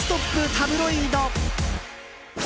タブロイド。